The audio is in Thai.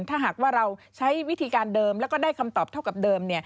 ถ้าหากว่าเราใช้วิธีการเดิมแล้วก็ได้คำตอบเท่ากับเดิม